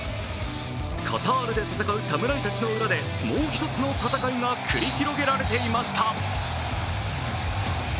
カタールで戦う侍たちの裏でもう一つの戦いが繰り広げられていました。